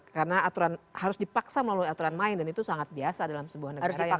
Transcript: karena aturan harus dipaksa melalui aturan main dan itu sangat biasa dalam sebuah negara yang belum matang